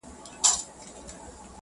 په دعا لاسونه پورته کړه اسمان ته!!